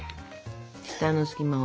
下の隙間を。